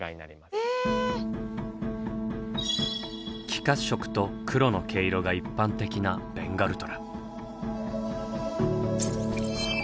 黄褐色と黒の毛色が一般的なベンガルトラ。